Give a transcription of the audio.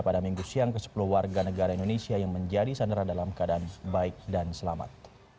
pada minggu siang ke sepuluh warga negara indonesia yang menjadi sandera dalam keadaan baik dan selamat